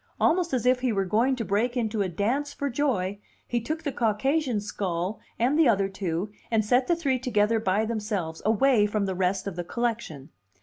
Almost as if he were going to break into a dance for joy, he took the Caucasian skull and the other two, and set the three together by themselves, away from the rest of the collection.